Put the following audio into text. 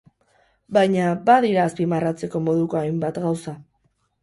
Baina, badira azpimarratzeko moduko hainbat gauza.